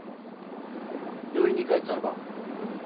病院に通ってたのか？